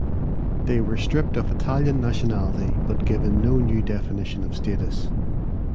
They were stripped of Italian nationality but given no new definition of status.